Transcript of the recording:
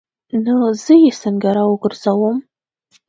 نو زه یې څنګه راوګرځوم؟